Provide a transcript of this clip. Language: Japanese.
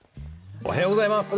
おはようございます。